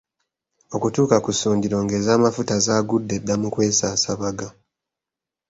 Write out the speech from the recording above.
Okutuuka ku ssundiro ng’ez’amafuta zaagudde dda mu kwesaasabaga.